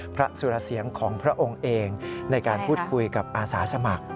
สุรเสียงของพระองค์เองในการพูดคุยกับอาสาสมัคร